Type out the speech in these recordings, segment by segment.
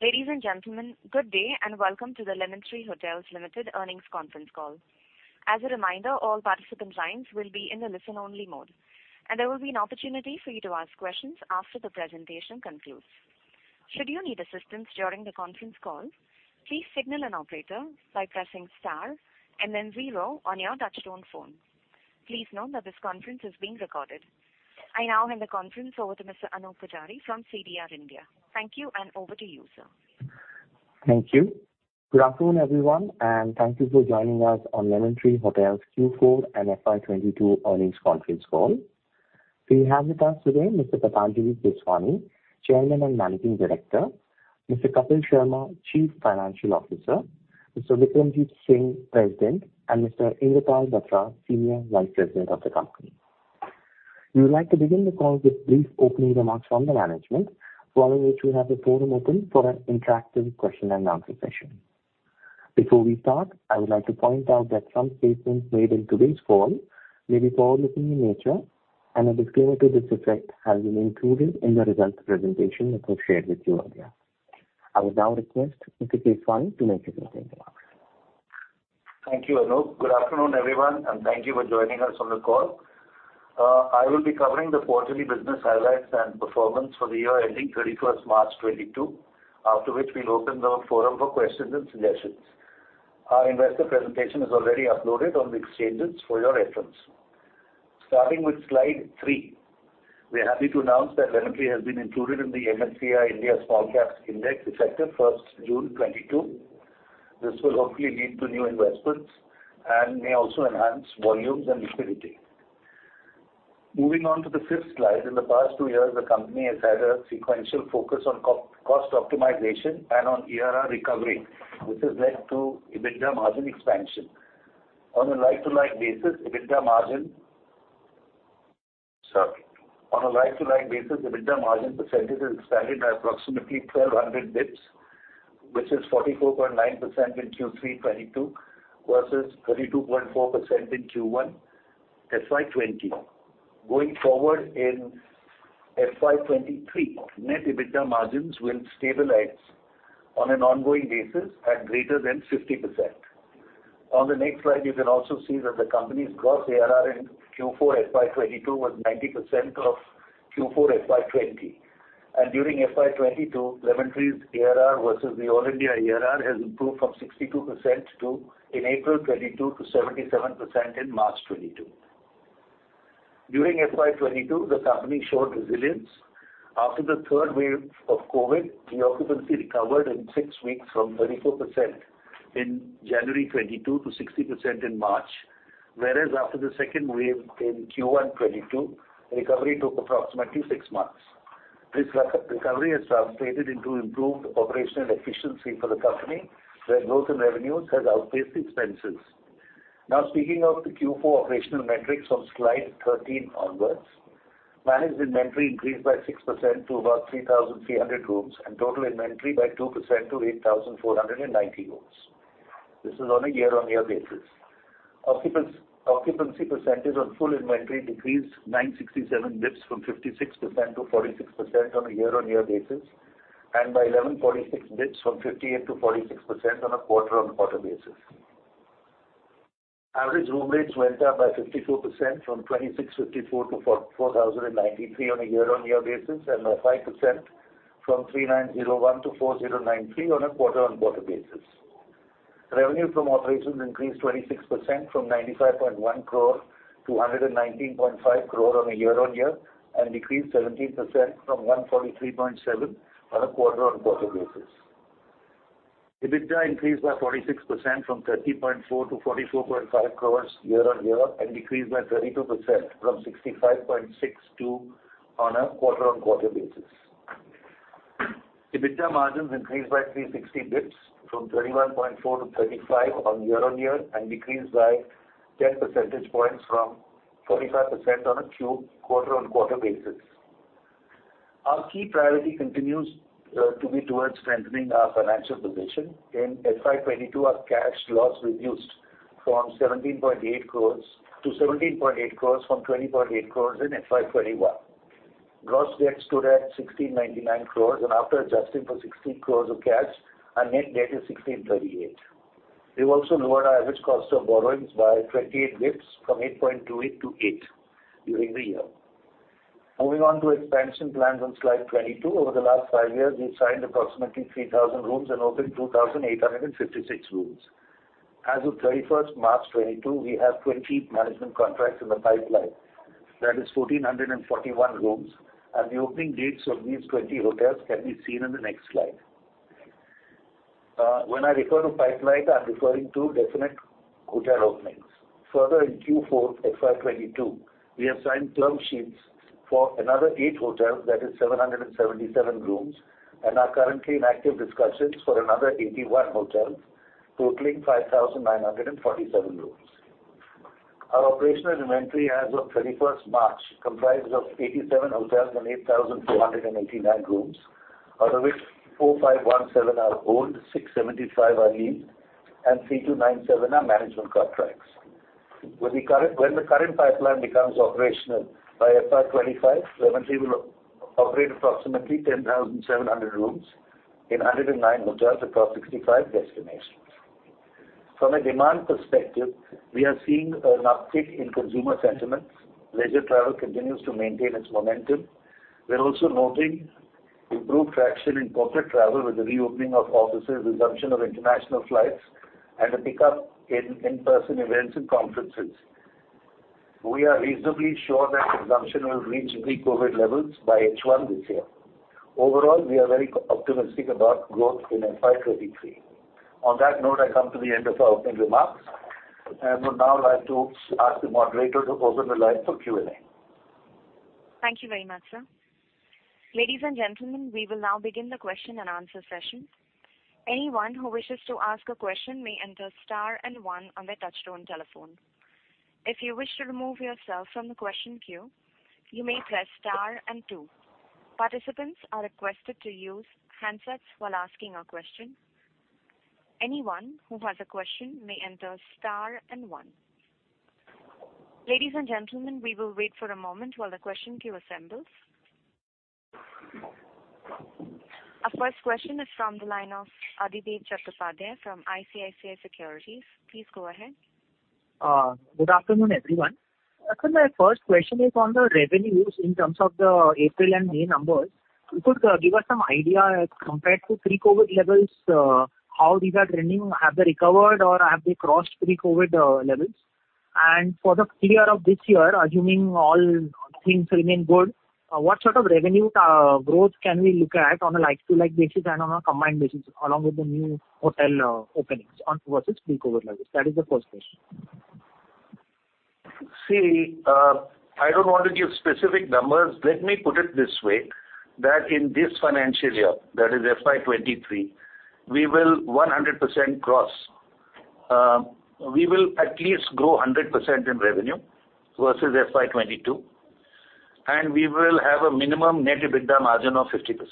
Ladies and gentlemen, good day and welcome to the Lemon Tree Hotels Limited earnings conference call. As a reminder, all participant lines will be in a listen-only mode, and there will be an opportunity for you to ask questions after the presentation concludes. Should you need assistance during the conference call, please signal an operator by pressing star and then 0 on your touchtone phone. Please note that this conference is being recorded. I now hand the conference over to Mr. Anup Pujari from CDR India. Thank you, and over to you, sir. Thank you. Good afternoon, everyone, and thank you for joining us on Lemon Tree Hotels Q4 and FY22 earnings conference call. We have with us today Mr. Patanjali Keswani, Chairman and Managing Director, Mr. Kapil Sharma, Chief Financial Officer, Mr. Vikramjit Singh, President, and Mr. Inder Pal Singh Batra, Senior Vice President of the Company. We would like to begin the call with brief opening remarks from the management, following which we'll have the forum open for an interactive question-and-answer session. Before we start, I would like to point out that some statements made in today's call may be forward-looking in nature and a disclaimer to this effect has been included in the results presentation that was shared with you earlier. I would now request Mr. Keswani to make his opening remarks. Thank you, Anup. Good afternoon, everyone, and thank you for joining us on the call. I will be covering the quarterly business highlights and performance for the year ending 31 March 2022. After which we'll open the forum for questions and suggestions. Our investor presentation is already uploaded on the exchanges for your reference. Starting with slide 3. We're happy to announce that Lemon Tree has been included in the MSCI India Small Cap Index effective 1 June 2022. This will hopefully lead to new investments and may also enhance volumes and liquidity. Moving on to slide 5. In the past 2 years, the company has had a sequential focus on cost optimization and on ARR recovery, which has led to EBITDA margin expansion. On a like-for-like basis, EBITDA margin expansion. On a like-to-like basis, EBITDA margin percentage has expanded by approximately 1,200 basis points, which is 44.9% in Q3 2022 versus 32.4% in Q1 FY 2020. Going forward in FY 2023, net EBITDA margins will stabilize on an ongoing basis at greater than 50%. On the next slide, you can also see that the company's gross ARR in Q4 FY 2022 was 90% of Q4 FY 2020. During FY 2022, Lemon Tree's ARR versus the All India ARR has improved from 62% in April 2022 to 77% in March 2022. During FY 2022, the company showed resilience. After the third wave of COVID, the occupancy recovered in six weeks from 34% in January 2022 to 60% in March 2022. Whereas after the second wave in Q1 2022, recovery took approximately six months. This recovery has translated into improved operational efficiency for the company, where growth in revenues has outpaced expenses. Now speaking of the Q4 operational metrics on slide 13 onwards. Managed inventory increased by 6% to about 3,300 rooms, and total inventory by 2% to 8,490 rooms. This is on a year-on-year basis. Occupancy percentage on full inventory decreased 967 basis points from 56%-46% on a year-on-year basis, and by 1,146 basis points from 58%-46% on a quarter-on-quarter basis. Average room rates went up by 52% from 2,654-4,093 on a year-on-year basis, and by 5% from 3,901-4,093 on a quarter-on-quarter basis. Revenue from operations increased 26% from 95.1 crore to 119.5 crore on a year-on-year basis and decreased 17% from 143.7 crore on a quarter-on-quarter basis. EBITDA increased by 46% from 30.4 crore to 44.5 crore year-on-year and decreased by 32% from 65.62 crore on a quarter-on-quarter basis. EBITDA margins increased by 360 basis points from 21.4% to 35% year-on-year and decreased by 10 percentage points from 45% on a quarter-on-quarter basis. Our key priority continues to be towards strengthening our financial position. In FY 2022 our cash loss reduced to 17.8 crore from 20.8 crore in FY 2021. Gross debt stood at 1,699 crore, and after adjusting for 16 crore of cash, our net debt is 1,638 crore. We've also lowered our average cost of borrowings by 28 basis points from 8.28 to 8 during the year. Moving on to expansion plans on slide 22. Over the last five years, we've signed approximately 3,000 rooms and opened 2,856 rooms. As of March 31, 2022, we have 20 management contracts in the pipeline, that is 1,441 rooms, and the opening dates of these 20 hotels can be seen in the next slide. When I refer to pipeline, I'm referring to definite hotel openings. Further in Q4 FY 2022, we have signed term sheets for another 8 hotels, that is 777 rooms, and are currently in active discussions for another 81 hotels, totaling 5,947 rooms. Our operational inventory as of March 31 comprises of 87 hotels and 8,489 rooms, out of which 4,517 are owned, 675 are leased, and 3,297 are management contracts. When the current pipeline becomes operational by FY25, Lemon Tree will operate approximately 10,700 rooms in 109 hotels across 65 destinations. From a demand perspective, we are seeing an uptick in consumer sentiments. Leisure travel continues to maintain its momentum. We're also noting improved traction in corporate travel with the reopening of offices, resumption of international flights, and a pickup in in-person events and conferences. We are reasonably sure that consumption will reach pre-COVID levels by H1 this year. Overall, we are very optimistic about growth in FY23. On that note, I come to the end of my opening remarks, and would now like to ask the moderator to open the line for Q&A. Thank you very much, sir. Ladies and gentlemen, we will now begin the question and answer session. Anyone who wishes to ask a question may enter star and one on their touchtone telephone. If you wish to remove yourself from the question queue, you may press star and two. Participants are requested to use handsets while asking a question. Anyone who has a question may enter star and one. Ladies and gentlemen, we will wait for a moment while the question queue assembles. Our first question is from the line of Adhidev Chattopadhyay from ICICI Securities. Please go ahead. Good afternoon, everyone. My first question is on the revenues in terms of the April and May numbers. If you could give us some idea compared to pre-COVID levels, how these are trending? Have they recovered or have they crossed pre-COVID levels? For the full year of this year, assuming all things remain good, what sort of revenue growth can we look at on a like-for-like basis and on a combined basis along with the new hotel openings on versus pre-COVID levels? That is the first question. See, I don't want to give specific numbers. Let me put it this way, that in this financial year, that is FY 2023, we will 100% cross. We will at least grow 100% in revenue versus FY 2022, and we will have a minimum net EBITDA margin of 50%.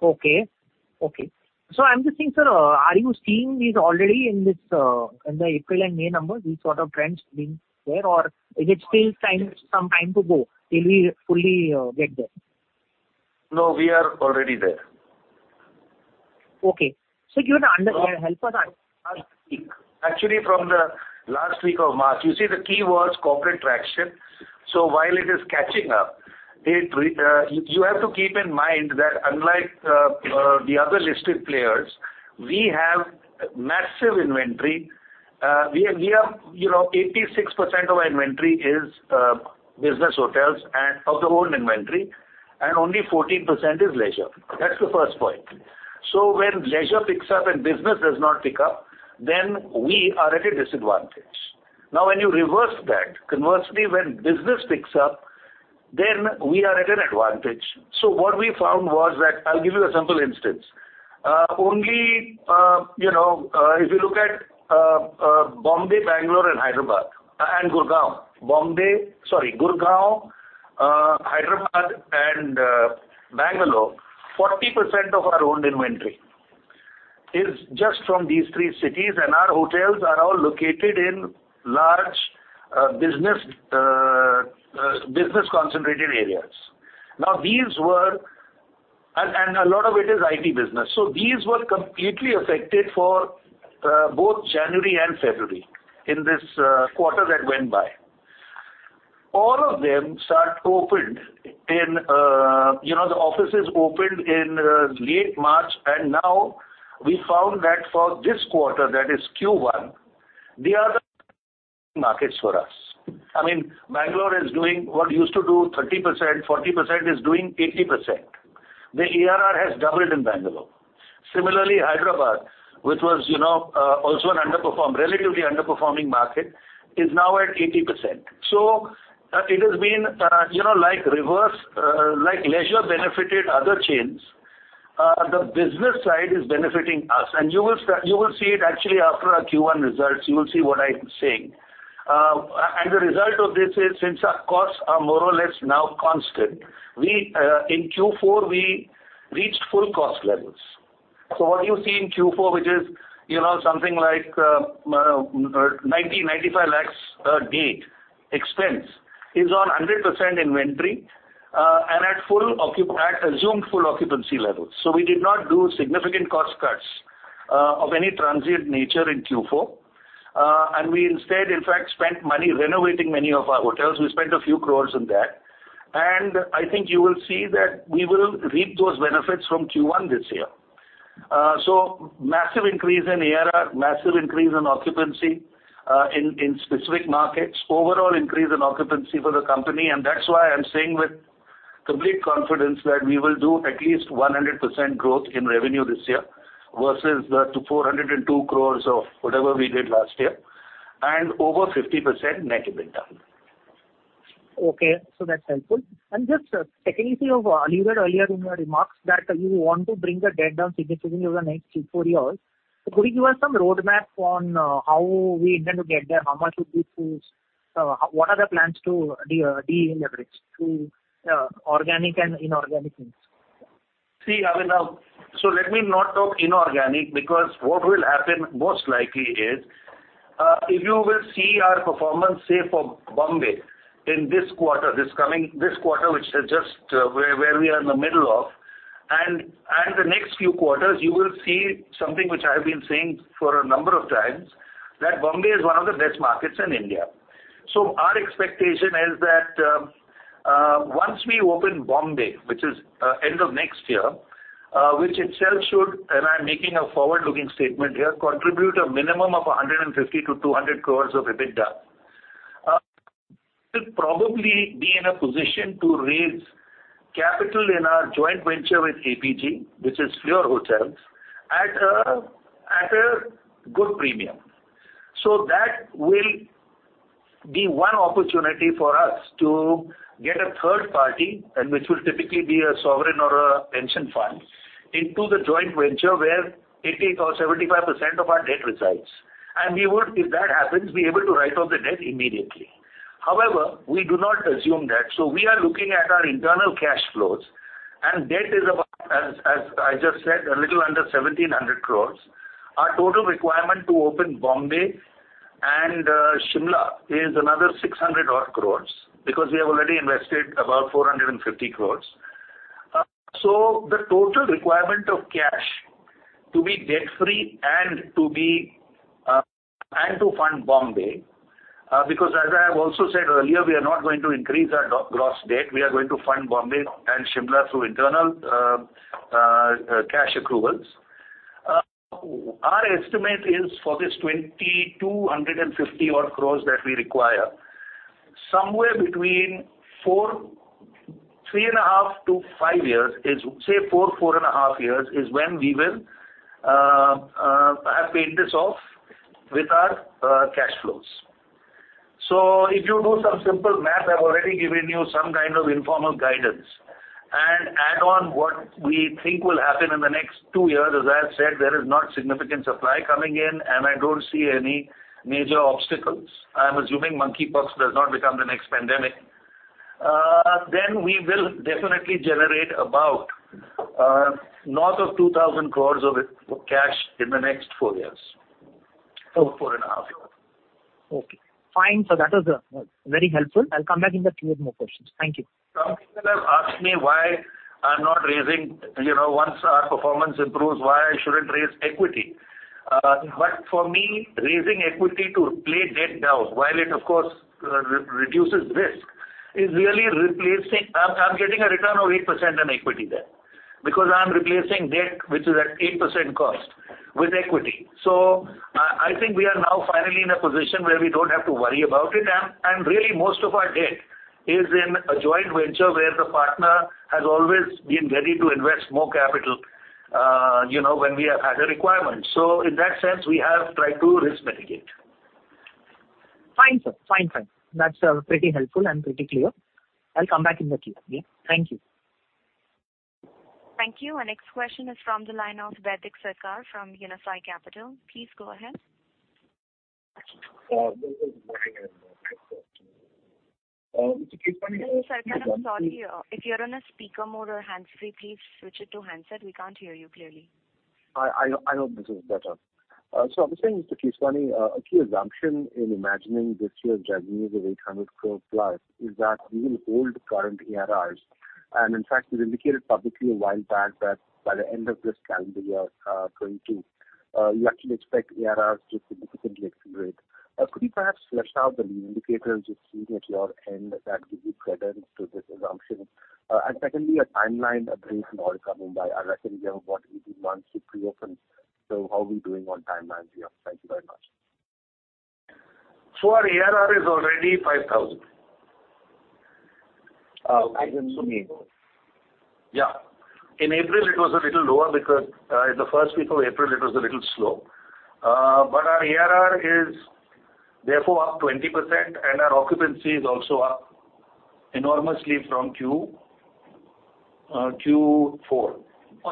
Okay. I'm just saying, sir, are you seeing these already in this, in the April and May numbers, these sort of trends being there, or is it still some time to go till we fully get there? No, we are already there. Okay. Uh- Help us under- Actually from the last week of March. You see the key was corporate traction. While it is catching up, you have to keep in mind that unlike the other listed players, we have massive inventory. We have, you know, 86% of our inventory is business hotels and of the whole inventory, and only 14% is leisure. That's the first point. When leisure picks up and business does not pick up, then we are at a disadvantage. Now, when you reverse that, conversely, when business picks up, then we are at an advantage. What we found was that. I'll give you a simple instance. If you look at Mumbai, Bengaluru and Hyderabad, and Gurugram. Mumbai. Sorry, Gurgaon, Hyderabad and Bangalore, 40% of our owned inventory is just from these three cities, and our hotels are all located in large, business concentrated areas. Now these were a lot of it is IT business. These were completely affected for both January and February in this quarter that went by. All of them the offices opened in you know late March, and now we found that for this quarter, that is Q1, they are the markets for us. I mean, Bangalore is doing what used to do 30%, 40% is doing 80%. The ARR has doubled in Bangalore. Similarly, Hyderabad, which was you know also an underperformed, relatively underperforming market, is now at 80%. It has been, you know, like reverse, like leisure benefited other chains. The business side is benefiting us, and you will see it actually after our Q1 results. You will see what I'm saying. And the result of this is since our costs are more or less now constant, in Q4 we reached full cost levels. What you see in Q4 which is, you know, something like 95 lakhs G&A expense is on 100% inventory, and at assumed full occupancy levels. We did not do significant cost cuts of any transient nature in Q4. And we instead in fact spent money renovating many of our hotels. We spent INR a few crores on that, and I think you will see that we will reap those benefits from Q1 this year. Massive increase in ARR, massive increase in occupancy, in specific markets, overall increase in occupancy for the company, and that's why I'm saying with complete confidence that we will do at least 100% growth in revenue this year versus the 402 crores of whatever we did last year, and over 50% net EBITDA. Okay. That's helpful. Just technically you've alluded earlier in your remarks that you want to bring the debt down significantly over the next 3-4 years. Could you give us some roadmap on how we intend to get there? How much would we choose? What are the plans to de-leverage through organic and inorganic means? See, I mean, now, let me not talk inorganic because what will happen most likely is, if you will see our performance, say for Bombay in this quarter, this quarter, which is just where we are in the middle of, and the next few quarters, you will see something which I have been saying for a number of times that Bombay is one of the best markets in India. Our expectation is that, once we open Bombay, which is end of next year, which itself should, and I'm making a forward-looking statement here, contribute a minimum of 150 crore-200 crore of EBITDA. We'll probably be in a position to raise capital in our joint venture with APG, which is Fleur Hotels, at a good premium. That will be one opportunity for us to get a third party, and which will typically be a sovereign or a pension fund, into the joint venture where 80% or 75% of our debt resides. We would, if that happens, be able to write off the debt immediately. However, we do not assume that. We are looking at our internal cash flows and debt is about, as I just said, a little under 1,700 crores. Our total requirement to open Bombay and Shimla is another 600-odd crores because we have already invested about 450 crores. The total requirement of cash to be debt-free and to fund Bombay, because as I have also said earlier, we are not going to increase our gross debt. We are going to fund Bombay and Shimla through internal cash accruals. Our estimate is for this 2,250 odd crores that we require, somewhere between three and a half to five years is, say four and a half years, is when we will have paid this off with our cash flows. If you do some simple math, I've already given you some kind of informal guidance. Add on what we think will happen in the next two years, as I have said, there is not significant supply coming in, and I don't see any major obstacles. I'm assuming monkeypox does not become the next pandemic. Then we will definitely generate about north of 2,000 crores of cash in the next four years or four and a half years. Okay. Fine. That was very helpful. I'll come back in the queue with more questions. Thank you. Some people have asked me why I'm not raising, you know, once our performance improves, why I shouldn't raise equity. For me, raising equity to pay debt down, while it of course reduces risk, is really replacing. I'm getting a return of 8% on equity there because I'm replacing debt, which is at 8% cost with equity. I think we are now finally in a position where we don't have to worry about it. Really most of our debt is in a joint venture where the partner has always been ready to invest more capital, you know, when we have had a requirement. In that sense, we have tried to risk mitigate. Fine, sir. That's pretty helpful and pretty clear. I'll come back in the queue. Yeah. Thank you. Thank you. Our next question is from the line of Baidik Sarkar from Unifi Capital. Please go ahead. Uh, Mr. Sarkar, I'm sorry. If you're on a speaker mode or hands-free, please switch it to handset. We can't hear you clearly. I hope this is better. I was saying, Mr. Keswani, a key assumption in imagining this year's RevPARs of 800 crores+ is that we will hold current ARR. In fact, we've indicated publicly a while back that by the end of this calendar year, you actually expect ARR to significantly accelerate. Could you perhaps flesh out the lead indicators you're seeing at your end that give you credence to this assumption? Secondly, a timeline of the resort coming by. I reckon you have about 18 months to pre-open. How are we doing on timelines here? Thank you very much. Our ARR is already 5,000. I didn't mean- Yeah. In April it was a little lower because in the first week of April it was a little slow. Our ARR is therefore up 20%, and our occupancy is also up enormously from Q4.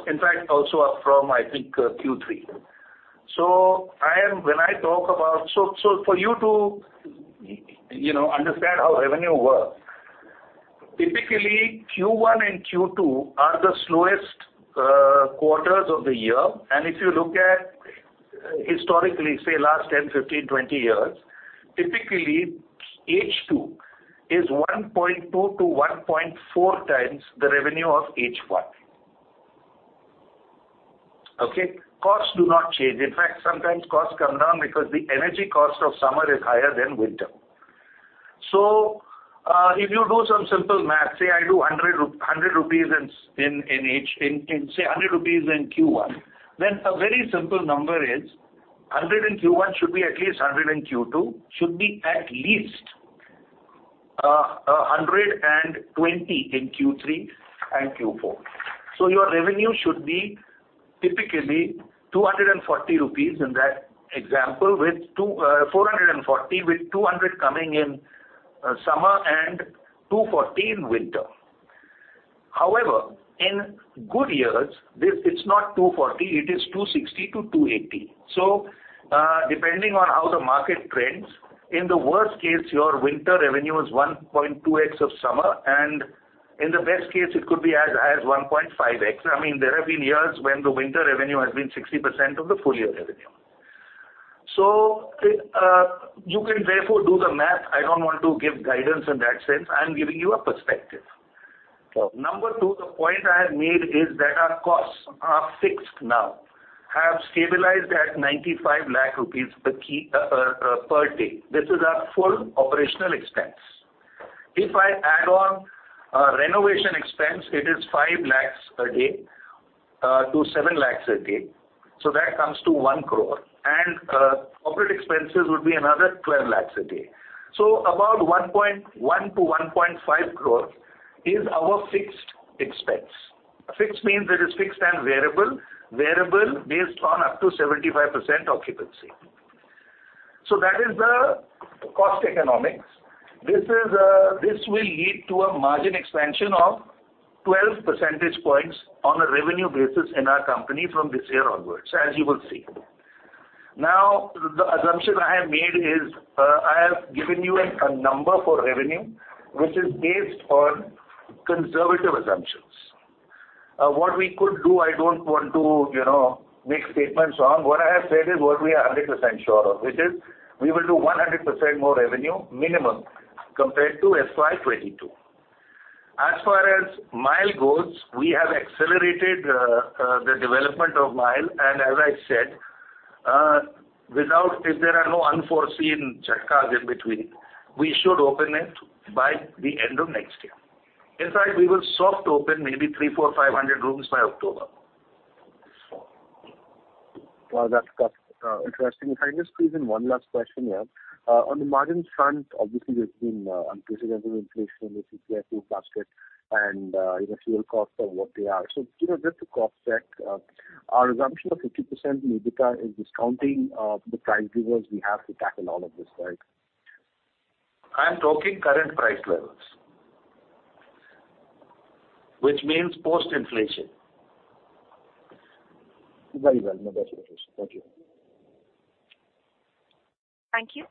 In fact, also up from, I think, Q3. When I talk about for you to, you know, understand how revenue works, typically Q1 and Q2 are the slowest quarters of the year. If you look at historically, say last 10, 15, 20 years, typically H2 is 1.2-1.4 times the revenue of H1. Okay. Costs do not change. In fact, sometimes costs come down because the energy cost of summer is higher than winter. If you do some simple math, say I do 100 rupees in summer in H1, say 100 rupees in Q1, then a very simple number is 100 in Q1 should be at least 100 in Q2, should be at least 120 in Q3 and Q4. Your revenue should be typically 240 rupees in that example with 440, with 200 coming in summer and 240 in winter. However, in good years, this, it's not 240, it is 260-280. Depending on how the market trends, in the worst case, your winter revenue is 1.2x of summer, and in the best case, it could be as 1.5x. I mean, there have been years when the winter revenue has been 60% of the full year revenue. It, you can therefore do the math. I don't want to give guidance in that sense. I am giving you a perspective. Okay. Number 2, the point I have made is that our costs are fixed now, have stabilized at 95 lakh rupees per day. This is our full operational expense. If I add on renovation expense, it is 5 lakh a day to 7 lakh a day, so that comes to 1 crore. Corporate expenses would be another 12 lakh a day. About 1 crore to 1.5 crore is our fixed expense. Fixed means it is fixed and variable. Variable based on up to 75% occupancy. That is the cost economics. This will lead to a margin expansion of 12 percentage points on a revenue basis in our company from this year onwards, as you will see. Now, the assumption I have made is, I have given you a number for revenue, which is based on conservative assumptions. What we could do, I don't want to, you know, make statements on. What I have said is what we are 100% sure of, which is we will do 100% more revenue minimum compared to FY 2022. As far as Aurika goes, we have accelerated the development of Aurika. As I said, without, if there are no unforeseen jhatkas in between, we should open it by the end of next year. In fact, we will soft open maybe 300-500 rooms by October. Well, that's interesting. If I may squeeze in one last question here. On the margin front, obviously there's been unprecedented inflation with CPI food basket and, you know, fuel costs are what they are. You know, just to cross-check our assumption of 50% EBITDA is discounting the price drivers we have to tackle all of this, right? I am talking current price levels. Which means post-inflation. Very well. No better information. Thank you. Thank you.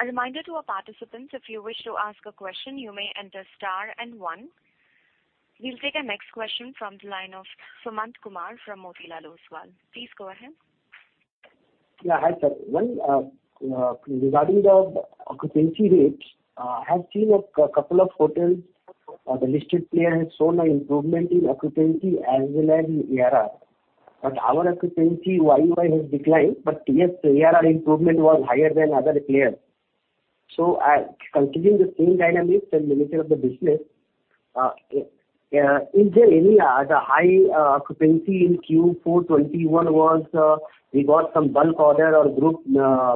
A reminder to our participants, if you wish to ask a question, you may enter star and 1. We'll take our next question from the line of Sumant Kumar from Motilal Oswal. Please go ahead. Yeah, hi, sir. One, regarding the occupancy rates, I have seen a couple of hotels, the listed player has shown an improvement in occupancy as well as in ARR. Our occupancy YOY has declined. Yes, ARR improvement was higher than other players. Continuing the same dynamics and nature of the business, is there any, the high, occupancy in Q4 2021 was, we got some bulk order or group,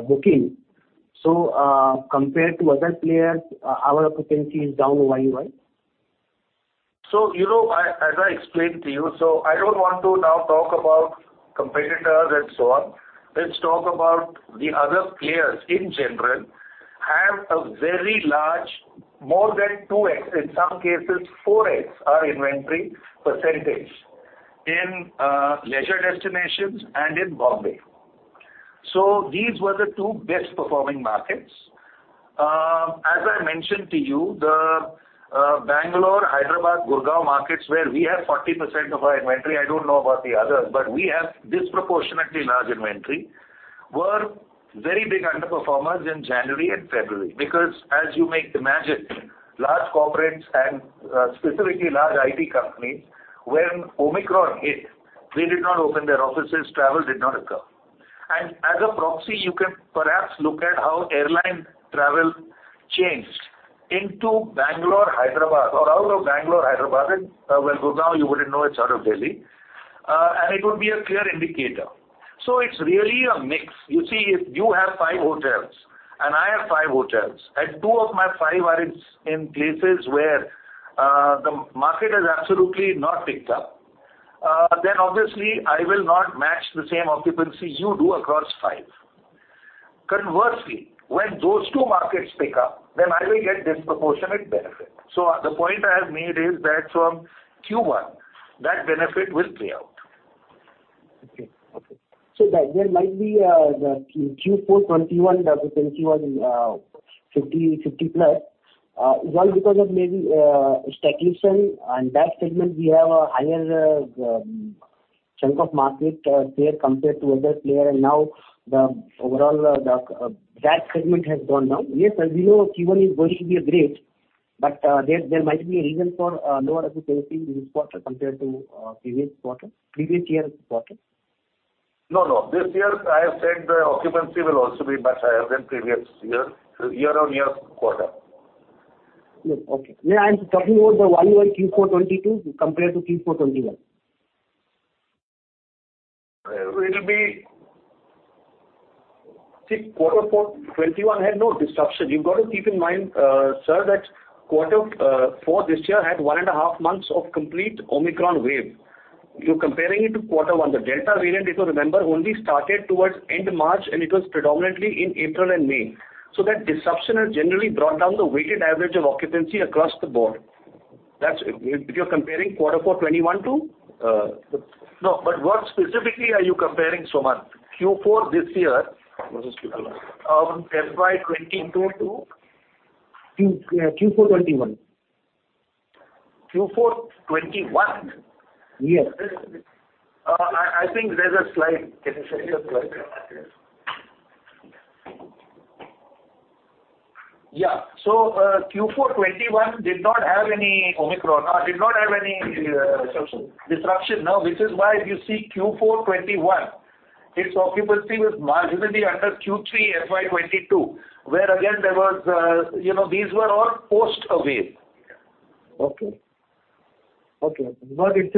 booking. Compared to other players, our occupancy is down YOY. You know, I, as I explained to you, I don't want to now talk about competitors and so on. Let's talk about the other players in general have a very large, more than 2x, in some cases 4x our inventory percentage in leisure destinations and in Mumbai. These were the two best performing markets. As I mentioned to you, the Bangalore, Hyderabad, Gurgaon markets where we have 40% of our inventory, I don't know about the others, but we have disproportionately large inventory, were very big underperformers in January and February. Because as you may imagine, large corporates and specifically large IT companies, when Omicron hit, they did not open their offices, travel did not occur. As a proxy, you can perhaps look at how airline travel changed into Bangalore, Hyderabad or out of Bangalore, Hyderabad and, Gurgaon you wouldn't know, it's out of Delhi. It would be a clear indicator. It's really a mix. You see, if you have five hotels and I have five hotels, and two of my five are in places where the market has absolutely not picked up, then obviously I will not match the same occupancy you do across five. Conversely, when those two markets pick up, then I will get disproportionate benefit. The point I have made is that from Q1 that benefit will play out. Okay. There might be the Q4 2021 occupancy was 50% plus was all because of maybe staycation and that segment we have a higher chunk of market share compared to other player. Now the overall that segment has gone down. Yes, as you know, Q1 is going to be weak, but there might be a reason for lower occupancy this quarter compared to previous year's quarter. No, no. This year I have said the occupancy will also be much higher than previous year-over-year quarter. Yes. Okay. Yeah, I'm talking about the YOY Q4 2022 compared to Q4 2021. See, Q4 2021 had no disruption. You've got to keep in mind, sir, that quarter 4 this year had 1.5 months of complete Omicron wave. You're comparing it to Q1. The Delta variant, if you remember, only started towards end March, and it was predominantly in April and May. That disruption has generally brought down the weighted average of occupancy across the board. That's if you're comparing Q4 2021 to. No, but what specifically are you comparing, Sumant? Q4 this year versus Q4 last year. FY 2022 to? Q, yeah, Q4 2021. Q4 2021? Yes. I think there's a slide. Can you show your slide? Yes. Q4 2021 did not have any Omicron. Disruption. disruption. No, which is why if you see Q4 2021, its occupancy was marginally under Q3 FY 2022, where again there was, these were all post-wave. It's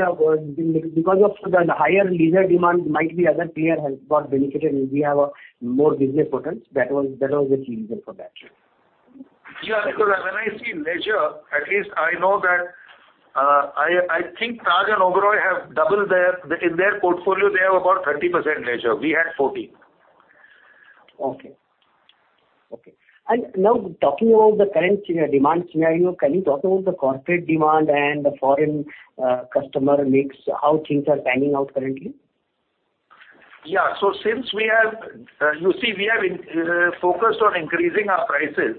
because of the higher leisure demand. Might be other tiers have got benefited and we have more business hotels. That was the key reason for that. Yeah, because when I see leisure, at least I know that, I think Taj and Oberoi have doubled. In their portfolio they have about 30% leisure. We have 14%. Okay. Now talking about the current demand scenario, can you talk about the corporate demand and the foreign customer mix, how things are panning out currently? Yeah. Since we have focused on increasing our prices.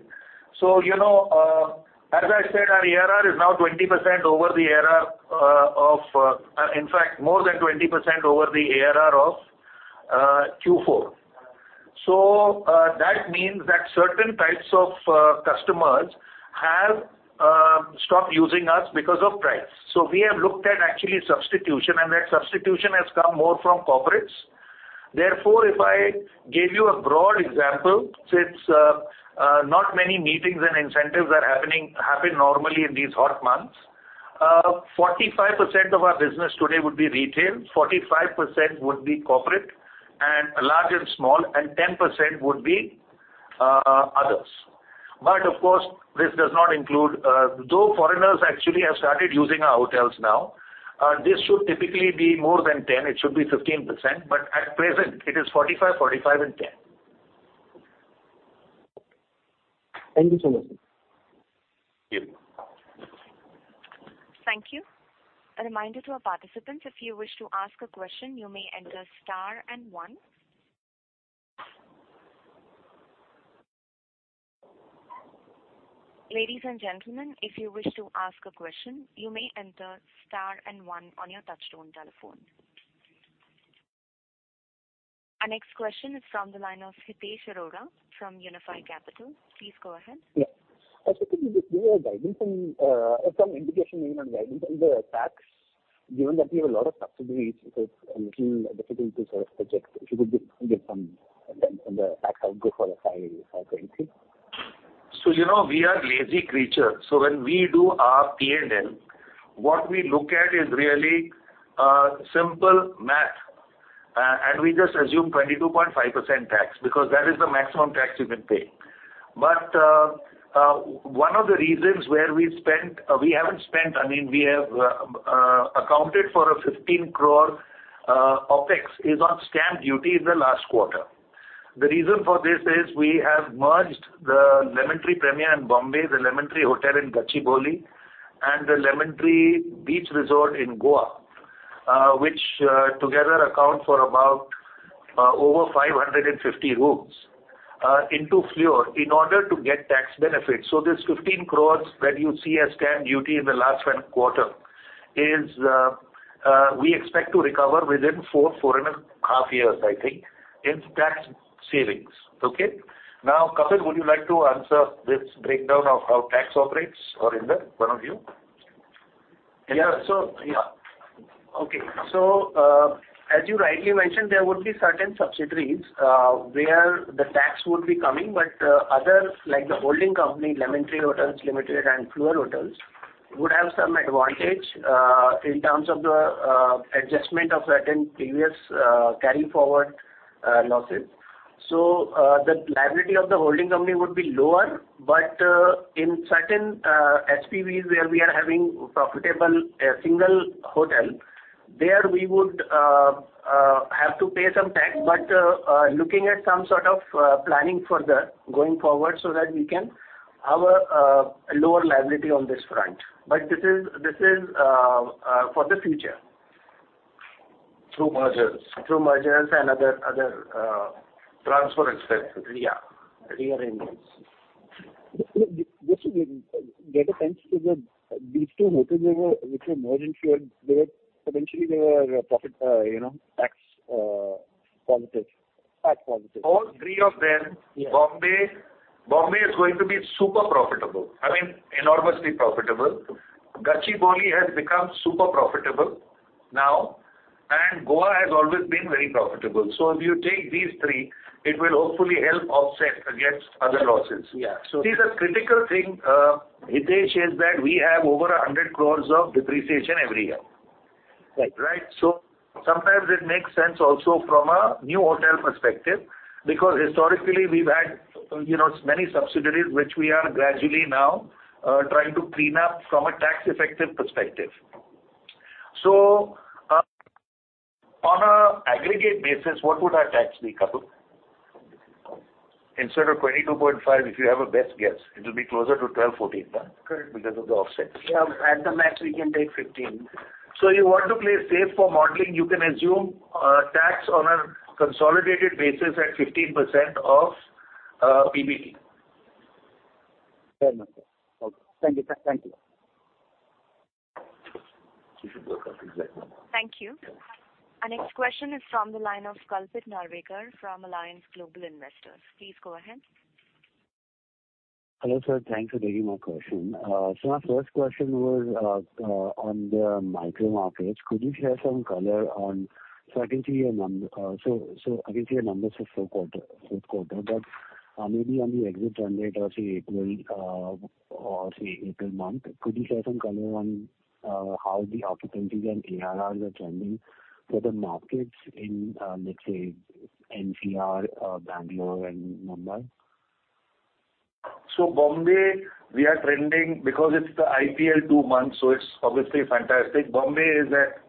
You know, as I said, our ARR is now 20% over the year. In fact, more than 20% over the ARR of Q4. That means that certain types of customers have stopped using us because of price. We have looked at actual substitution, and that substitution has come more from corporates. Therefore, if I gave you a broad example, since not many meetings and incentives happen normally in these hot months, 45% of our business today would be retail, 45% would be corporate and large and small, and 10% would be others. Of course, this does not include, though foreigners actually have started using our hotels now. This should typically be more than 10%. It should be 15%, but at present it is 45%, 45% and 10%. Thank you so much. Thank you. Thank you. A reminder to our participants, if you wish to ask a question, you may enter star and 1. Ladies and gentlemen, if you wish to ask a question, you may enter star and one on your touchtone telephone. Our next question is from the line of Hitesh Arora from Unifi Capital. Please go ahead. Yeah. I was looking if you have guidance on or some indication, maybe not guidance on the tax, given that we have a lot of subsidies. It is a little difficult to sort of project. If you could give some on the tax outflow for FY 2023. You know, we are lazy creatures. When we do our P&L, what we look at is really simple math. We just assume 22.5% tax because that is the maximum tax you can pay. One of the reasons where we spent—we haven't spent, I mean we have accounted for 15 crore OpEx on stamp duty in the last quarter. The reason for this is we have merged the Lemon Tree Premier in Mumbai, the Lemon Tree Hotel in Gachibowli, and the Lemon Tree Amarante Beach Resort, Goa, which together account for about over 550 rooms into Fleur Hotels in order to get tax benefits. This 15 crore that you see as stamp duty in the last quarter is we expect to recover within 4 and a half years, I think, in tax savings. Okay. Now, Kapil, would you like to answer this breakdown of how tax operates or Inder, one of you? As you rightly mentioned, there would be certain subsidiaries where the tax would be coming, but others like the holding company, Lemon Tree Hotels Limited and Fleur Hotels would have some advantage in terms of the adjustment of certain previous carry forward losses. The liability of the holding company would be lower, but in certain SPVs where we are having profitable single hotel, there we would have to pay some tax. Looking at some sort of planning further going forward so that we can have a lower liability on this front. This is for the future. Through mergers. Through mergers and other Transfer expenses. Yeah. Rearrangements. Just to get a sense, these two hotels which were merged into Fleur, they were potentially, you know, tax. Positive. Tax positive. All three of them. Yeah. Bombay is going to be super profitable. I mean, enormously profitable. Gachibowli has become super profitable now, and Goa has always been very profitable. If you take these three, it will hopefully help offset against other losses. Yeah. See the critical thing, Hitesh, is that we have over 100 crore of depreciation every year. Right. Right? Sometimes it makes sense also from a new hotel perspective, because historically we've had, you know, many subsidiaries which we are gradually now trying to clean up from a tax-effective perspective. On an aggregate basis, what would our tax be, Kapil? Instead of 22.5%, if you have a best guess, it'll be closer to 12%-14% now. Correct. Because of the offsets. Yeah, at the max we can take 15. You want to play safe for modeling, you can assume tax on a consolidated basis at 15% of PBT. Fair enough, sir. Okay. Thank you, sir. Thank you. She should work out the exact number. Thank you. Our next question is from the line of Kalpit Narvekar from Allianz Global Investors. Please go ahead. Hello, sir. Thanks for taking my question. My first question was on the micro markets. I can see your numbers for fourth quarter, but maybe on the exit trend what was the April or say April month. Could you share some color on how the occupancies and ARR are trending for the markets in let's say NCR, Bangalore and Mumbai? Mumbai, we are trending because it's the IPL two months, so it's obviously fantastic. Mumbai is at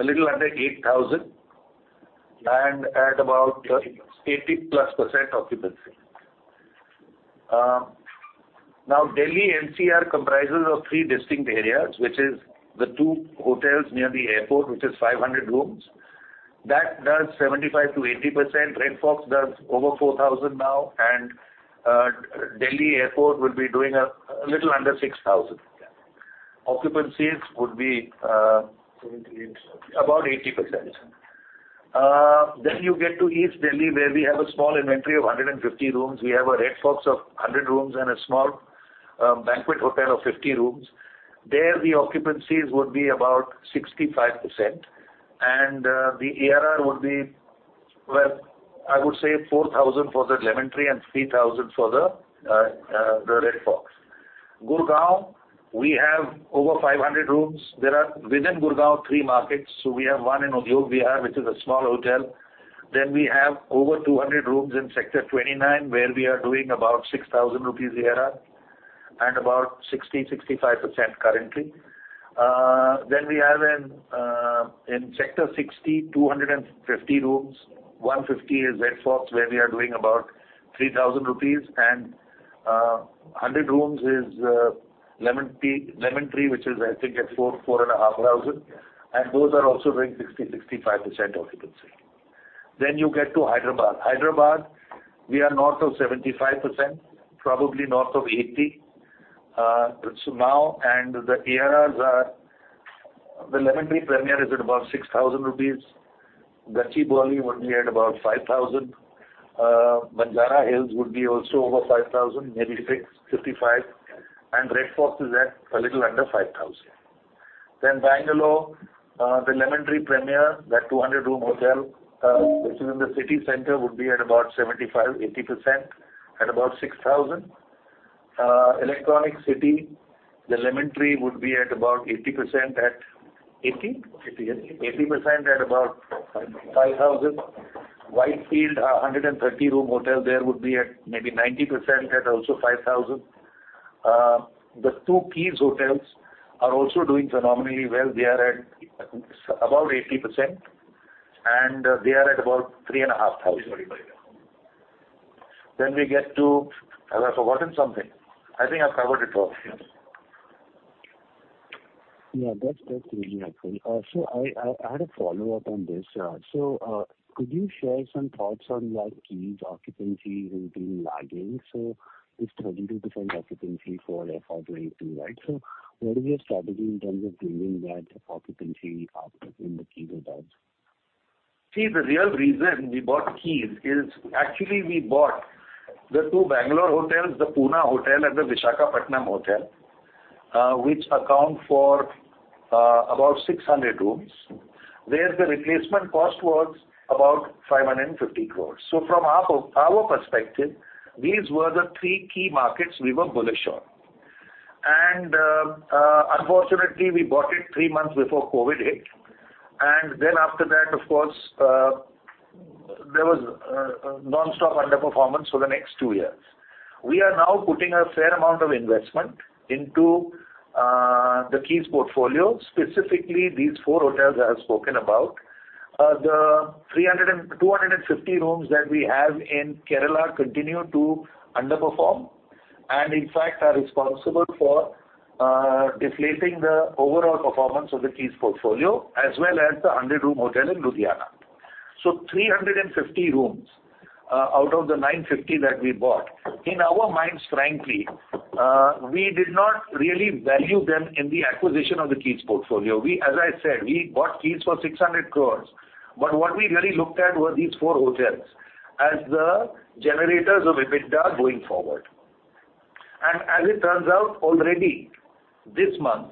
a little under 8,000 and at about 80%+ occupancy. Now Delhi NCR comprises of three distinct areas, which is the two hotels near the airport, which is 500 rooms. That does 75%-80%. Red Fox does over 4,000 now, and Delhi Airport will be doing a little under 6,000. Occupancies would be about 80%. Then you get to East Delhi, where we have a small inventory of 150 rooms. We have a Red Fox of 100 rooms and a small banquet hotel of 50 rooms. There, the occupancies would be about 65%. The ARR would be, well, I would say 4,000 for the Lemon Tree and 3,000 for the Red Fox. Gurugram, we have over 500 rooms. There are within Gurugram three markets. We have one in Udyog Vihar, which is a small hotel. We have over 200 rooms in Sector 29, where we are doing about 6,000 rupees ARR and about 65% currently. We have in Sector 60, 250 rooms. 150 is Red Fox, where we are doing about 3,000 rupees. 100 rooms is Lemon Tree, which is I think at four and a half thousand. Those are also doing 65% occupancy. You get to Hyderabad. Hyderabad, we are north of 75%, probably north of 80%, so now. The ARRs are the Lemon Tree Premier is at about 6,000 rupees. Gachibowli would be at about 5,000. Banjara Hills would be also over 5,000, maybe 6,555. Red Fox is at a little under 5,000. Bangalore, the Lemon Tree Premier, that 200-room hotel, which is in the city center, would be at about 75-80% at about 6,000. Electronic City, the Lemon Tree would be at about 80% at 80%? 80, yes. 80% at about 5,000. Whitefield, a 130-room hotel there would be at maybe 90% at also 5,000. The 2 Keys Hotels are also doing phenomenally well. They are at about 80%, and they are at about 3,500. We get to. Have I forgotten something? I think I've covered it all. Yeah, that's really helpful. I had a follow-up on this. Could you share some thoughts on why Keys occupancy has been lagging? It's 32% occupancy for Red Fox, right? What is your strategy in terms of bringing that occupancy up in the Keys hotels? See, the real reason we bought Keys is actually we bought the two Bangalore hotels, the Pune hotel and the Visakhapatnam hotel, which account for about 600 rooms. The replacement cost was about 550 crore. From our perspective, these were the three key markets we were bullish on. Unfortunately, we bought it three months before COVID hit. Then after that, of course, there was a nonstop underperformance for the next two years. We are now putting a fair amount of investment into the Keys portfolio, specifically these four hotels I have spoken about. The 250 rooms that we have in Kerala continue to underperform, and in fact are responsible for deflating the overall performance of the Keys portfolio as well as the 100-room hotel in Ludhiana. 350 rooms out of the 950 that we bought, in our minds, frankly, we did not really value them in the acquisition of the Keys portfolio. As I said, we bought Keys for 600 crores, but what we really looked at were these four hotels as the generators of EBITDA going forward. As it turns out already this month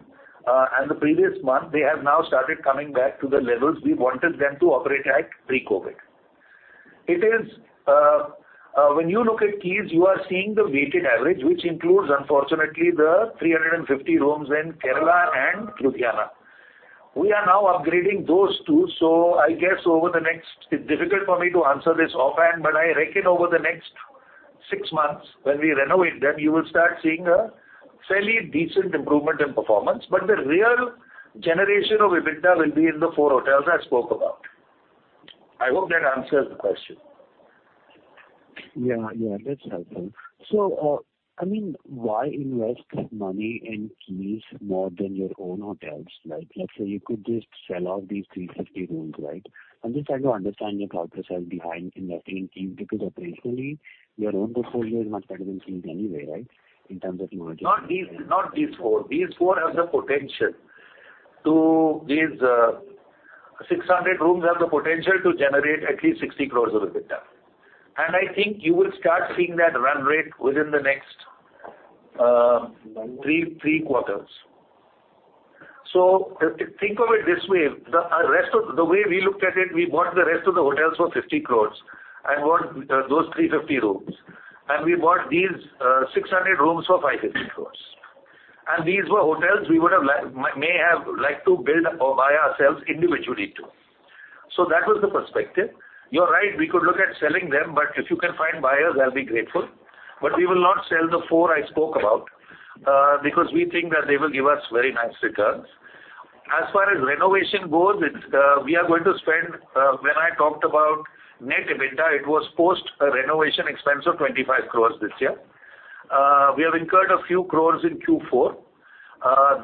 and the previous month, they have now started coming back to the levels we wanted them to operate at pre-COVID. It is, when you look at Keys, you are seeing the weighted average, which includes unfortunately the 350 rooms in Kerala and Ludhiana. We are now upgrading those two, so I guess over the next six months when we renovate them, you will start seeing a fairly decent improvement in performance. The real generation of EBITDA will be in the four hotels I spoke about. I hope that answers the question. Yeah, yeah, that's helpful. I mean, why invest money in Keys more than your own hotels? Like, let's say you could just sell out these 350 rooms, right? I'm just trying to understand your thought process behind investing in Keys because operationally your own portfolio is much better than Keys anyway, right? In terms of margin. Not these four. These 600 rooms have the potential to generate at least 60 crores of EBITDA. I think you will start seeing that run rate within the next 3 quarters. Think of it this way, the way we looked at it, we bought the rest of the hotels for 50 crores, and bought those 350 rooms, and we bought these 600 rooms for 550 crores. These were hotels we may have liked to build or buy ourselves individually too. That was the perspective. You're right, we could look at selling them, but if you can find buyers, I'll be grateful. We will not sell the four I spoke about, because we think that they will give us very nice returns. As far as renovation goes, we are going to spend, when I talked about net EBITDA, it was post a renovation expense of 25 crores this year. We have incurred a few crores in Q4.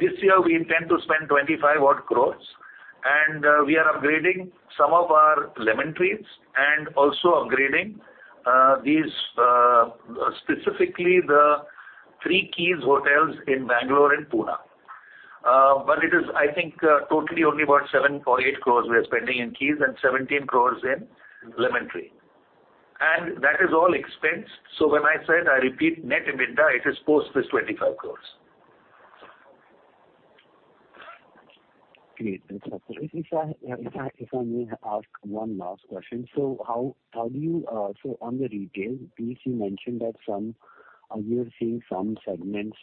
This year we intend to spend 25 odd crores, and we are upgrading some of our Lemon Tree and also upgrading these, specifically the three Keys Hotels in Bangalore and Pune. But it is, I think, totally only about 7 or 8 crores we are spending in Keys Hotels and 17 crores in Lemon Tree. That is all expense. When I said, I repeat net EBITDA, it is post this 25 crores. Great. That's helpful. If I may ask one last question. How do you so on the retail piece you mentioned that some you're seeing some segments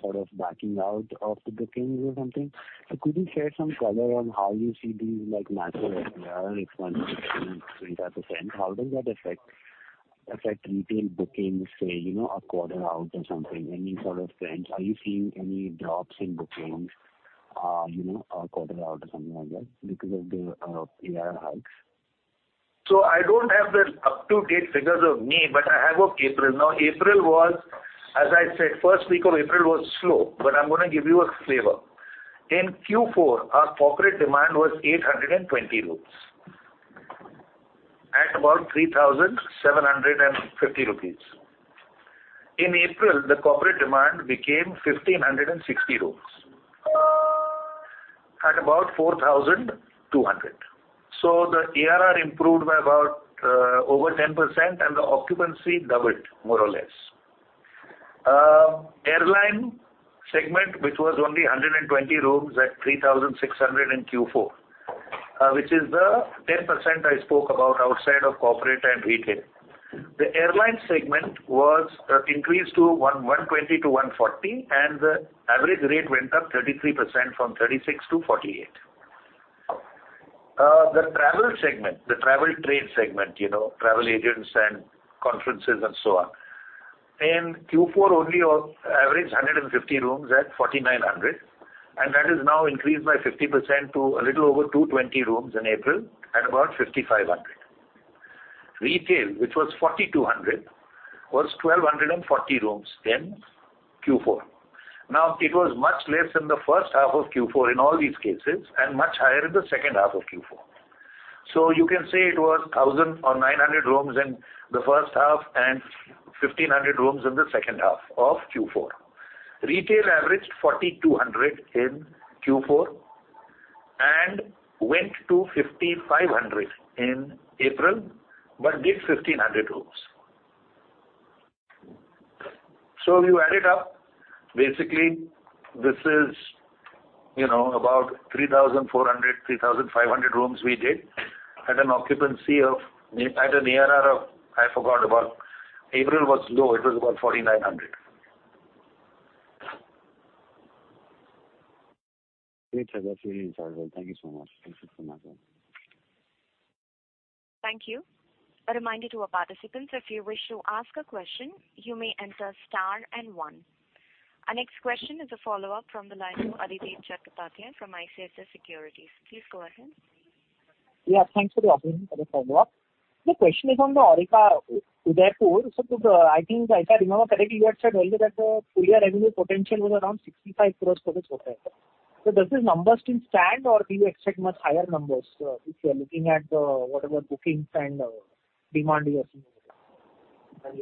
sort of backing out of the bookings or something. Could you share some color on how you see these like macro air response segments, 25%. How does that affect retail bookings say, you know, a quarter out or something? Any sort of trends? Are you seeing any drops in bookings, you know, a quarter out or something like that because of the ARR hikes? I don't have the up-to-date figures of May, but I have of April. Now, April was, as I said, first week of April was slow, but I'm gonna give you a flavor. In Q4, our corporate demand was 820 rooms at about 3,750 rupees. In April, the corporate demand became 1,560 rooms at about 4,200. The ARR improved by about over 10% and the occupancy doubled more or less. Airline segment, which was only 120 rooms at 3,600 in Q4, which is the 10% I spoke about outside of corporate and retail. The airline segment was increased to 120-140, and the average rate went up 33% from 36-48. The travel segment, the travel trade segment, you know, travel agents and conferences and so on. In Q4 only on average 150 rooms at 4,900, and that is now increased by 50% to a little over 220 rooms in April at about 5,500. Retail, which was 4,200, was 1,240 rooms in Q4. Now, it was much less in the first half of Q4 in all these cases, and much higher in the second half of Q4. You can say it was 1,000 or 900 rooms in the first half and 1,500 rooms in the second half of Q4. Retail averaged 4,200 in Q4 and went to 5,500 in April, but did 1,500 rooms. You add it up, basically this is, you know, about 3,400-3,500 rooms we did at an ARR of, I forgot about. April was low. It was about 4,900. Great. That's really insightful. Thank you so much. Thank you so much. Thank you. A reminder to our participants, if you wish to ask a question, you may enter star and one. Our next question is a follow-up from the line of Adhidev Chattopadhyay from ICICI Securities. Please go ahead. Yeah, thanks for the opportunity for the follow-up. The question is on the Aurika Udaipur. Could I think if I remember correctly, you had said earlier that the full year revenue potential was around 65 crore for this hotel. Does this number still stand or do you expect much higher numbers, if you are looking at the whatever bookings and demand you are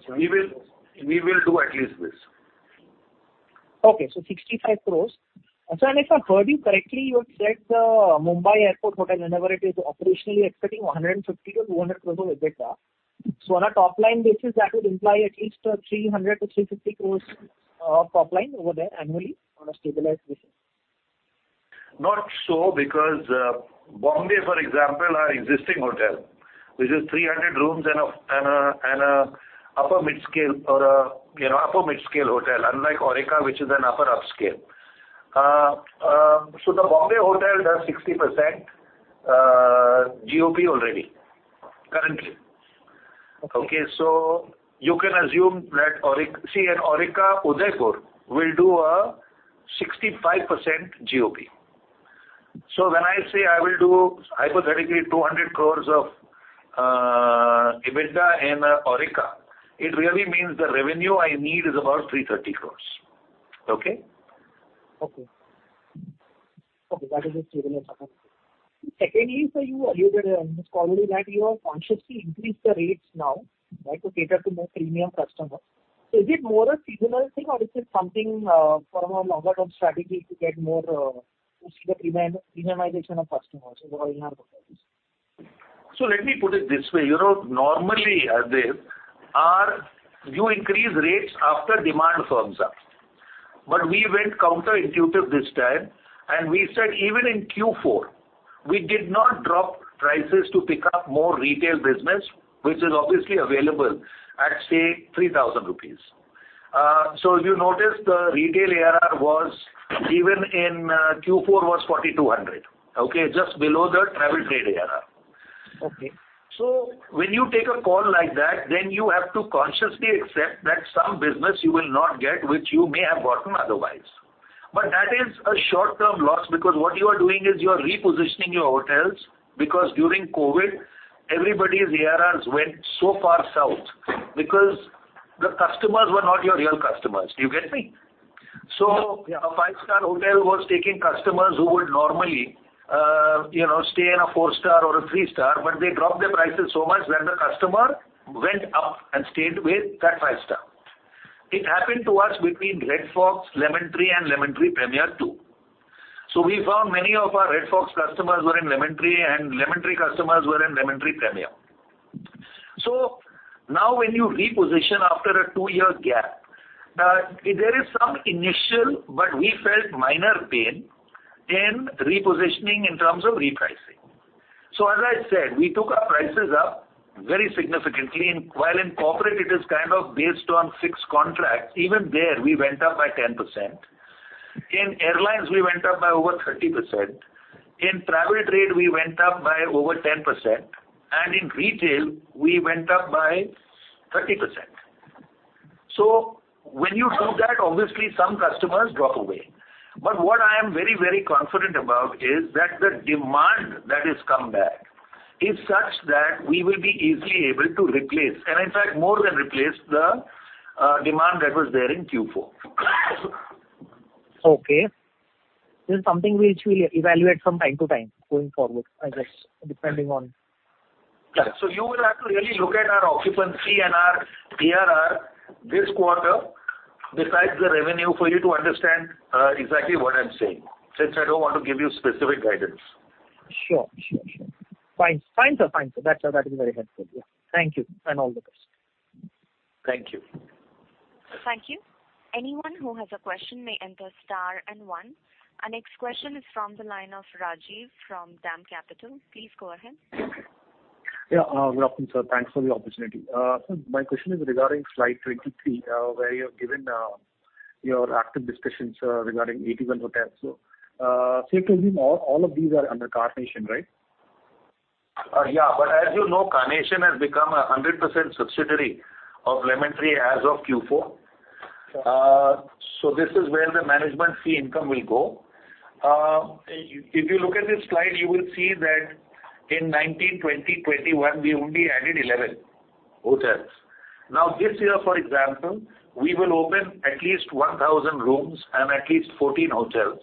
seeing? We will do at least this. Okay. 65 crores. If I heard you correctly, you had said the Mumbai Airport hotel, whenever it is operational, you're expecting INR 150-200 crores of EBITDA. On a top-line basis, that would imply at least 300-350 crores of top line over there annually on a stabilized basis. Not so because, Bombay, for example, our existing hotel, which is 300 rooms and an upper mid-scale, you know, upper mid-scale hotel, unlike Aurika, which is an upper upscale. The Bombay hotel does 60% GOP already currently. Okay. You can assume that Aurika—say an Aurika Udaipur—will do a 65% GOP. When I say I will do hypothetically 200 crore of EBITDA in Aurika, it really means the revenue I need is about 330 crore. Okay? Okay. That is just secondly, sir, you alluded that you have consciously increased the rates now, right, to cater to more premium customers. Is it more a seasonal thing or is it something from a longer-term strategy to get more premiumization of customers? Let me put it this way. You know, normally, Adhidev, you increase rates after demand firms up. We went counterintuitive this time, and we said even in Q4, we did not drop prices to pick up more retail business, which is obviously available at, say, 3,000 rupees. If you notice the retail ARR was even in Q4 was 4,200, okay? Just below the travel trade ARR. Okay. When you take a call like that, then you have to consciously accept that some business you will not get, which you may have gotten otherwise. That is a short-term loss because what you are doing is you are repositioning your hotels because during COVID, everybody's ARRs went so far south because the customers were not your real customers. Do you get me? A five-star hotel was taking customers who would normally, you know, stay in a four-star or a three-star, but they dropped their prices so much when the customer went up and stayed with that five-star. It happened to us between Red Fox, Lemon Tree and Lemon Tree Premier too. We found many of our Red Fox customers were in Lemon Tree and Lemon Tree customers were in Lemon Tree Premier. Now when you reposition after a two-year gap, there is some initial but minor pain in repositioning in terms of repricing. As I said, we took our prices up very significantly. While in corporate it is kind of based on fixed contract, even there we went up by 10%. In airlines, we went up by over 30%. In travel trade, we went up by over 10%. In retail, we went up by 30%. When you do that, obviously some customers drop away. What I am very, very confident about is that the demand that has come back is such that we will be easily able to replace, and in fact, more than replace the demand that was there in Q4. Okay. This is something which we evaluate from time to time going forward, I guess, depending on. You will have to really look at our occupancy and our ARR this quarter besides the revenue for you to understand exactly what I'm saying, since I don't want to give you specific guidance. Sure. Fine, sir. That is very helpful. Yeah. Thank you and all the best. Thank you. Thank you. Anyone who has a question may enter star and one. Our next question is from the line of Rajiv from DAM Capital. Please go ahead. Good afternoon, sir. Thanks for the opportunity. My question is regarding slide 23, where you have given your active discussions regarding 81 hotels. To me, all of these are under Carnation, right? As you know, Carnation has become a 100% subsidiary of Lemon Tree as of Q4. This is where the management fee income will go. If you look at this slide, you will see that in 2019, 2020, 2021, we only added 11 hotels. Now, this year, for example, we will open at least 1,000 rooms and at least 14 hotels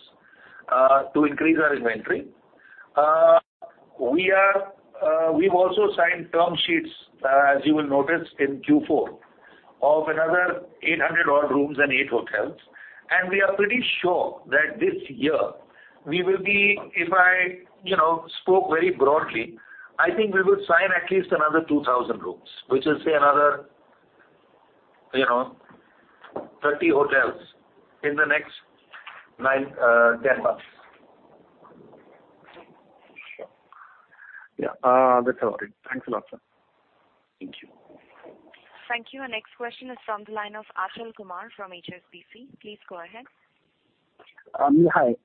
to increase our inventory. We've also signed term sheets, as you will notice in Q4 of another 800 odd rooms and 8 hotels. We are pretty sure that this year if I, you know, spoke very broadly, I think we will sign at least another 2,000 rooms, which is say another, you know, 30 hotels in the next nine, ten months. Sure. Yeah. That's about it. Thanks a lot, sir. Thank you. Thank you. Our next question is from the line of Achal Kumar from HSBC. Please go ahead. Hi.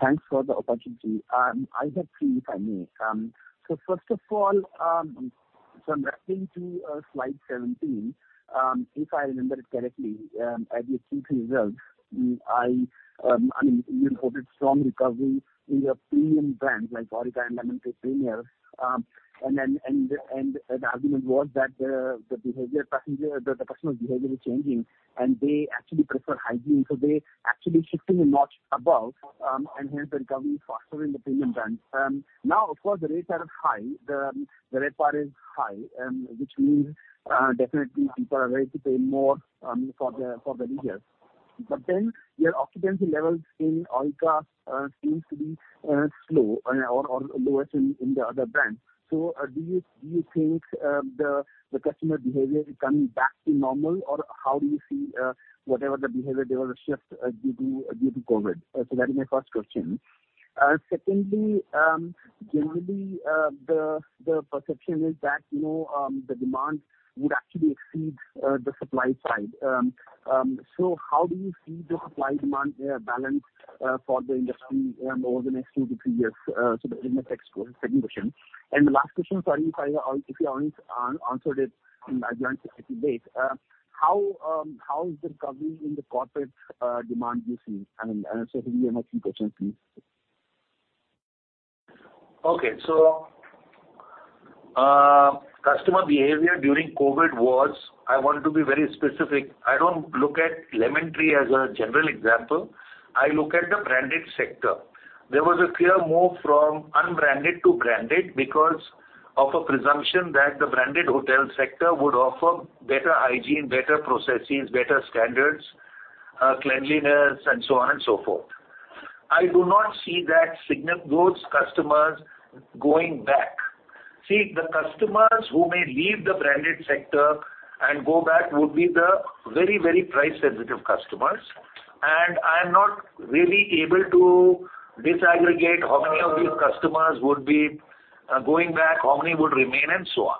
Thanks for the opportunity. I have 3, if I may. First of all, I'm referring to slide 17, if I remember it correctly, as your Q3 results. I mean, you reported strong recovery in your premium brands like Aurika and Lemon Tree Premier. The argument was that the customer behavior is changing, and they actually prefer hygiene, so they actually shifting a notch above, and hence the recovery is faster in the premium brands. Now of course the rates are high. The RevPAR is high, which means definitely people are ready to pay more, for the leisure. Your occupancy levels in Aurika seems to be slow or lower than in the other brands. Do you think the customer behavior is coming back to normal, or how do you see whatever the behavior there was a shift due to COVID? That is my first question. Secondly, generally, the perception is that, you know, the demand would actually exceed the supply side. How do you see the supply demand balance for the industry over the next 2-3 years? That is my second question. The last question, sorry if I if you aren't answered it, and I've learned it a little bit. How is the recovery in the corporate demand you've seen? Those are my three questions, please. Customer behavior during COVID was, I want to be very specific, I don't look at Lemon Tree as a general example. I look at the branded sector. There was a clear move from unbranded to branded because of a presumption that the branded hotel sector would offer better hygiene, better processes, better standards, cleanliness and so on and so forth. I do not see that those customers going back. See, the customers who may leave the branded sector and go back would be the very, very price-sensitive customers. I am not really able to disaggregate how many of these customers would be going back, how many would remain, and so on.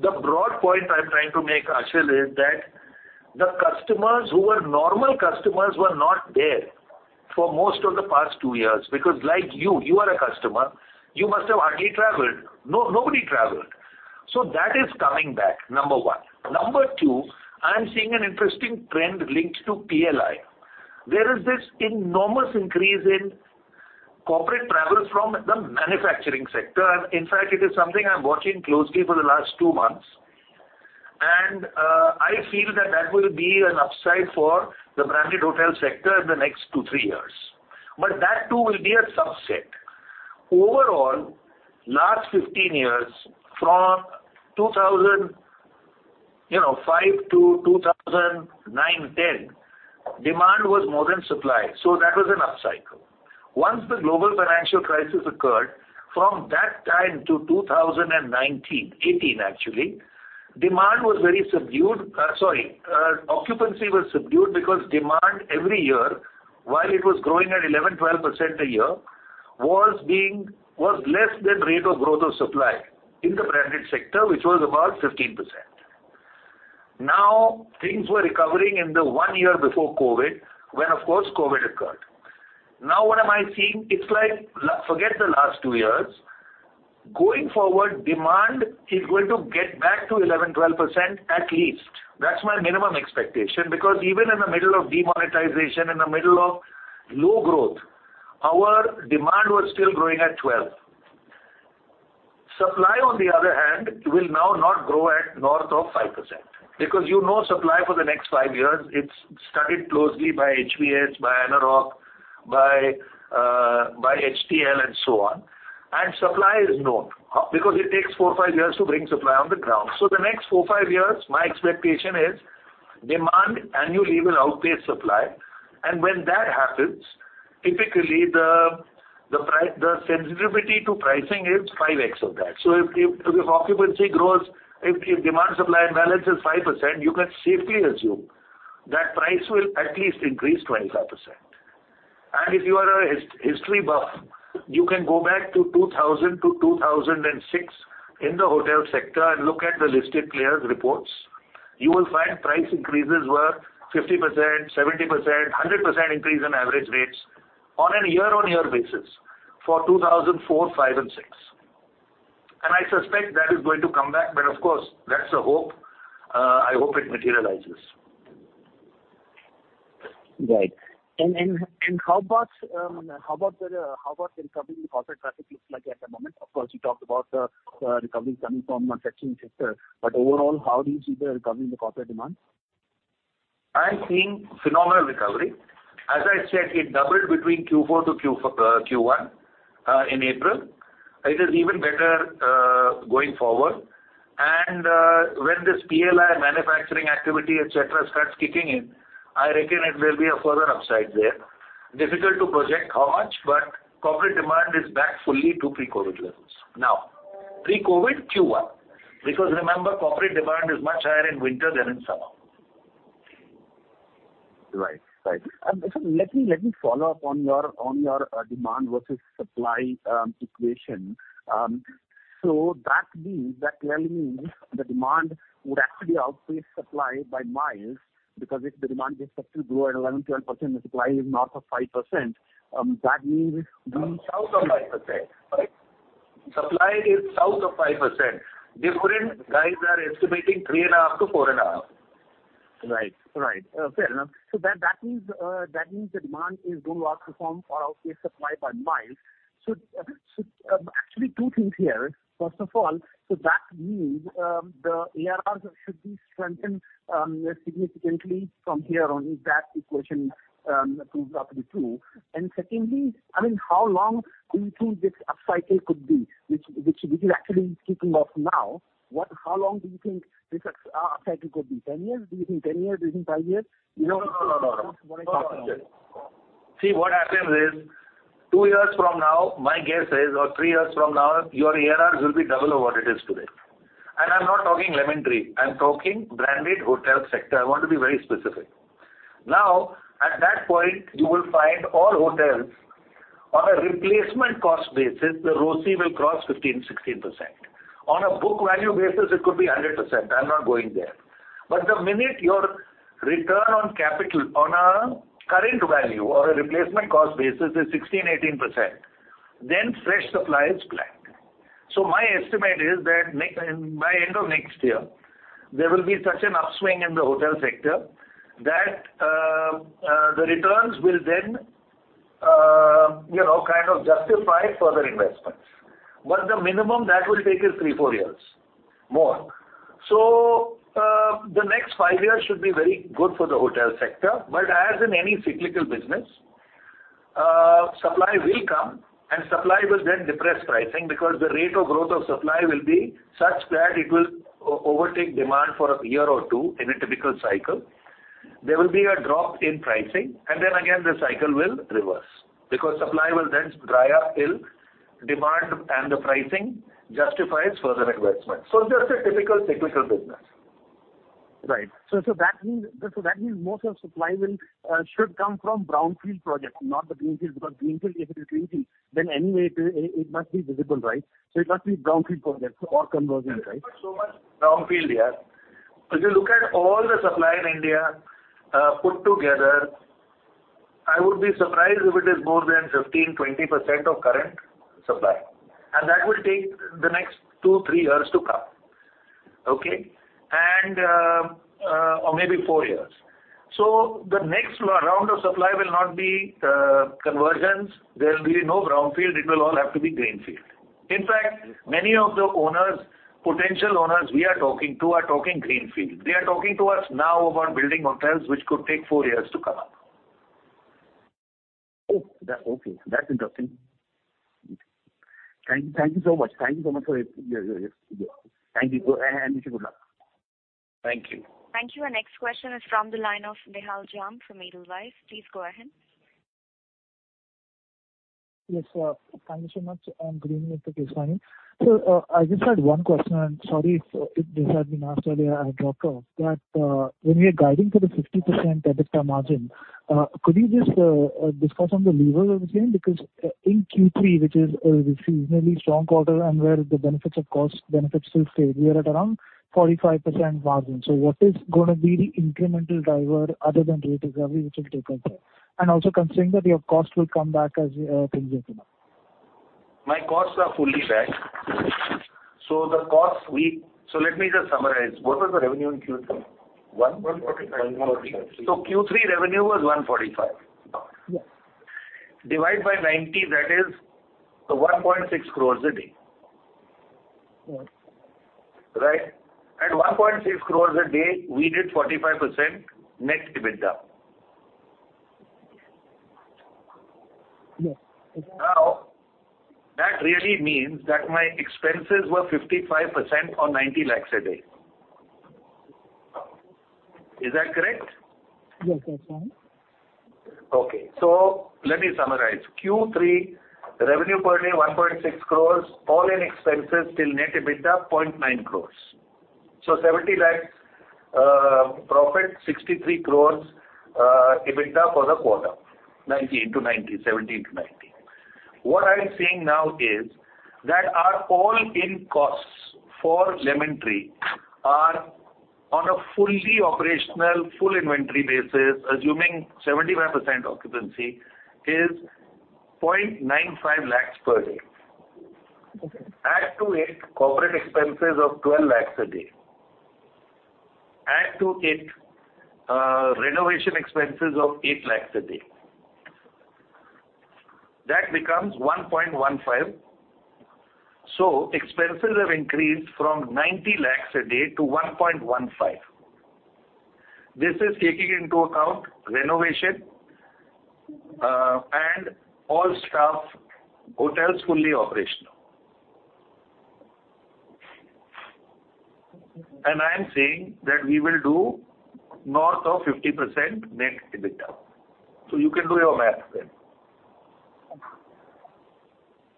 The broad point I'm trying to make, Achal, is that the customers who were normal customers were not there for most of the past two years, because like you are a customer, you must have hardly traveled. Nobody traveled. That is coming back, number one. Number two, I am seeing an interesting trend linked to PLI. There is this enormous increase in corporate travel from the manufacturing sector. In fact, it is something I'm watching closely for the last two months. I feel that that will be an upside for the branded hotel sector in the next two, three years. That, too, will be a subset. Overall, last 15 years, from 2005 to 2009-10, demand was more than supply, so that was an upcycle. Once the global financial crisis occurred, from that time to 2019, 2018 actually, demand was very subdued. Occupancy was subdued because demand every year, while it was growing at 11, 12% a year, was less than rate of growth of supply in the branded sector, which was about 15%. Now, things were recovering in the one year before COVID, when, of course, COVID occurred. Now, what am I seeing? It's like, forget the last 2 years. Going forward, demand is going to get back to 11, 12% at least. That's my minimum expectation, because even in the middle of demonetization, in the middle of low growth, our demand was still growing at 12. Supply, on the other hand, will now not grow at north of 5% because you know supply for the next 5 years. It's studied closely by HVS, by ANAROCK, by Hotelivate and so on. Supply is known because it takes 4-5 years to bring supply on the ground. The next 4-5 years, my expectation is demand annually will outpace supply. When that happens, typically the sensitivity to pricing is 5x of that. If occupancy grows, if demand-supply balance is 5%, you can safely assume that price will at least increase 25%. If you are a history buff, you can go back to 2000 to 2006 in the hotel sector and look at the listed players' reports. You will find price increases were 50%, 70%, 100% increase in average rates on a year-on-year basis for 2004, 2005 and 2006. I suspect that is going to come back. Of course, that's a hope. I hope it materializes. Right. How about the recovery in the corporate traffic looks like at the moment? Of course, you talked about the recovery coming from manufacturing sector. Overall, how do you see the recovery in the corporate demand? I am seeing phenomenal recovery. As I said, it doubled between Q4 to Q1 in April. It is even better going forward. When this PLI manufacturing activity, et cetera, starts kicking in, I reckon it will be a further upside there. Difficult to project how much, but corporate demand is back fully to pre-COVID levels. Now, pre-COVID Q1, because remember, corporate demand is much higher in winter than in summer. Right. Let me follow up on your demand versus supply equation. That clearly means the demand would actually outpace supply by miles because if the demand is supposed to grow at 11%-12%, the supply is north of 5%, that means. South of 5%. Right. Supply is south of 5%. Different guys are estimating 3.5%-4.5%. Right. Fair enough. That means the demand is going to outperform or outpace supply by miles. Actually two things here. First of all, that means the ARR should be strengthened significantly from here on if that equation proves out to be true. Secondly, I mean, how long do you think this upcycle could be? Which is actually kicking off now. How long do you think this upcycle could be? 10 years? Do you think 10 years? Do you think five years? No, no, no. See, what happens is two years from now, my guess is, or three years from now, your ARRs will be double of what it is today. I'm not talking Lemon Tree, I'm talking branded hotel sector. I want to be very specific. Now, at that point, you will find all hotels on a replacement cost basis, the ROCE will cross 15-16%. On a book value basis, it could be 100%. I'm not going there. The minute your return on capital on a current value or a replacement cost basis is 16-18%, then fresh supply is back. My estimate is that by end of next year, there will be such an upswing in the hotel sector that the returns will then you know, kind of justify further investments. The minimum that will take is three, four years more. The next five years should be very good for the hotel sector. As in any cyclical business, supply will come, and supply will then depress pricing because the rate of growth of supply will be such that it will overtake demand for a year or two in a typical cycle. There will be a drop in pricing, and then again, the cycle will reverse because supply will then dry up till demand and the pricing justifies further investment. Just a typical cyclical business. Right. That means most of supply should come from brownfield projects, not the greenfield. Because greenfield, if it is greenfield, then anyway it must be visible, right? It must be brownfield projects or conversion, right? There's not so much brownfield yet. If you look at all the supply in India, put together, I would be surprised if it is more than 15%-20% of current supply. That will take the next 2-3 years to come. Or maybe 4 years. The next round of supply will not be conversions. There will be no brownfield. It will all have to be greenfield. In fact, many of the owners, potential owners we are talking to are talking greenfield. They are talking to us now about building hotels which could take 4 years to come up. Oh, that. Okay. That's interesting. Thank you so much. Thank you. Go ahead and wish you good luck. Thank you. Thank you. Our next question is from the line of Nehal Shah from Edelweiss. Please go ahead. Yes, thank you so much. Good evening, Mr. Keswani. I just had one question. Sorry if this had been asked earlier, I dropped off. When we are guiding for the 50% EBITDA margin, could you just discuss on the levers of the same? Because in Q3, which is a seasonally strong quarter and where the benefits of cost benefits will fade, we are at around 45% margin. What is gonna be the incremental driver other than rate or revenue which will take up there? Also considering that your cost will come back as things open up. My costs are fully back. Let me just summarize. What was the revenue in Q3? 1:45 - Q3 revenue was 145. Yes. Divide by 90, that is 1.6 crores a day. Yes. Right? At 1.6 crores a day, we did 45% net EBITDA. Yes. Now, that really means that my expenses were 55% on 90 lakhs a day. Is that correct? Yes, that's fine. Okay. Let me summarize. Q3 revenue per day, 1.6 crores. All-in expenses till net EBITDA, 0.9 crores. Seventy lakhs profit, 63 crores EBITDA for the quarter. Ninety into ninety, seventy into ninety. What I am saying now is that our all-in costs for Lemon Tree are on a fully operational, full inventory basis, assuming 75% occupancy is 0.95 lakhs per day. Okay. Corporate expenses of 12 lakhs a day. Renovation expenses of 8 lakhs a day. That becomes 1.15. Expenses have increased from 90 lakhs a day to 1.15. This is taking into account renovation, and all staff, hotels fully operational. I am saying that we will do north of 50% net EBITDA. You can do your math then.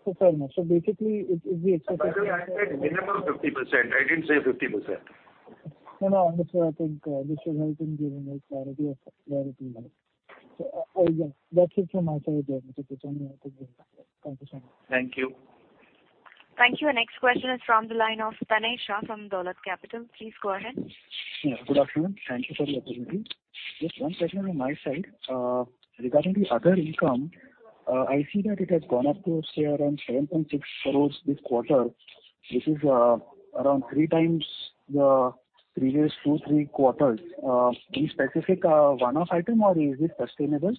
Sorry. Basically it's the expenses. By the way, I said minimum 50%. I didn't say 50%. No. Understood. I think this should help in giving us clarity. Yeah. That's it from my side, Shah. Thank you. Thank you. Our next question is from the line of Tanay Shah from Dolat Capital. Please go ahead. Yeah, good afternoon. Thank you for the opportunity. Just one question on my side. Regarding the other income, I see that it has gone up to say around 7.6 crore this quarter, which is around 3 times the previous 2-3 quarters. Any specific one-off item, or is it sustainable?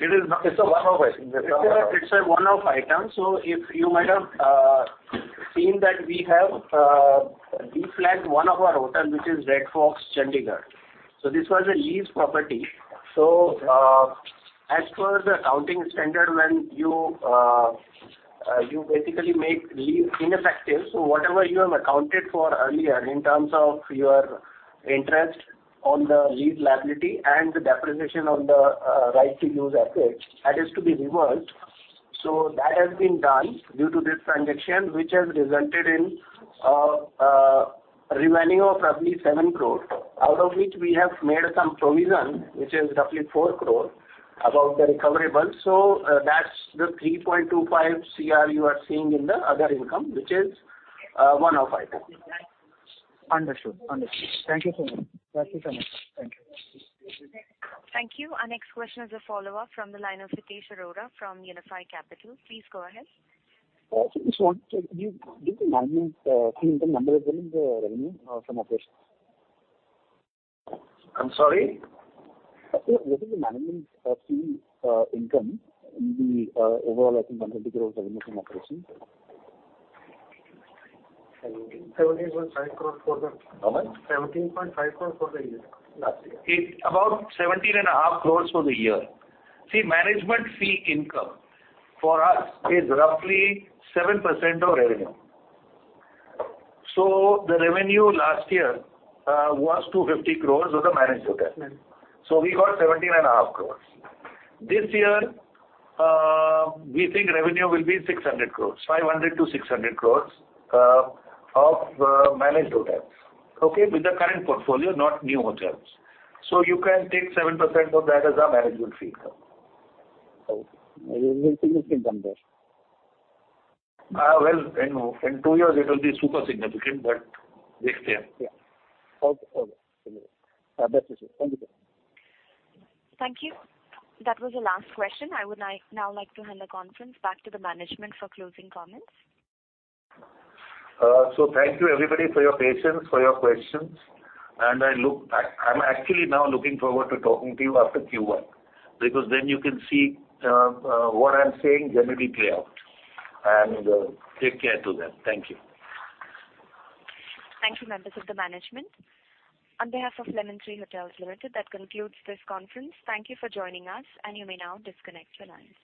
It is not. It's a one-off item. If you might have seen that we have deflagged one of our hotel, which is Red Fox Chandigarh. This was a lease property. As per the accounting standard, when you basically make lease ineffective. Whatever you have accounted for earlier in terms of your interest on the lease liability and the depreciation on the right to use assets, that is to be reversed. That has been done due to this transaction, which has resulted in remaining of roughly 7 crore, out of which we have made some provision, which is roughly 4 crore above the recoverable. That's the 3.25 crore you are seeing in the other income, which is one-off item. Understood. Thank you so much. Thank you. Thank you. Our next question is a follow-up from the line of Satish Arora from Unifi Capital. Please go ahead. Just want to do the management fee income number available in the revenue from operations? I'm sorry. Sir, what is the management fee income in the overall, I think 100 crore revenue from operations? 17.5 crore for the- How much? INR 17.5 crore for the year, last year. It's about 17.5 crores for the year. See, management fee income for us is roughly 7% of revenue. The revenue last year was 250 crores of the managed hotels. Yes. We got 17.5 crore. This year, we think revenue will be 600 crore, 500 crore-600 crore, of managed hotels. With the current portfolio, not new hotels. You can take 7% of that as our management fee income. Okay. A significant number. Well, in two years it will be super significant, but we'll see. Yeah. Okay. Okay. Best wishes. Thank you. Thank you. That was the last question. I would now like to hand the conference back to the management for closing comments. Thank you everybody for your patience, for your questions. I'm actually now looking forward to talking to you after Q1, because then you can see what I'm saying generally play out. Take care till then. Thank you. Thank you, members of the management. On behalf of Lemon Tree Hotels Limited, that concludes this conference. Thank you for joining us, and you may now disconnect your lines.